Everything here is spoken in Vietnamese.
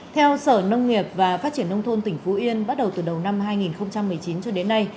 theo sở nông nghiệp và phát triển nông thôn tỉnh phú yên bắt đầu từ đầu năm hai nghìn một mươi chín cho đến nay